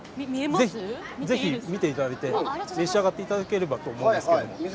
ぜひ見ていただいて召し上がっていただければと思います。